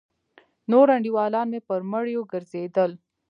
نور انډيولان مې پر مړيو گرځېدل.